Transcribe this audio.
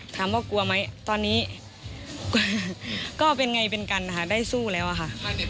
กลัวไหมตอนนี้ก็เป็นไงเป็นกันนะคะได้สู้แล้วอะค่ะ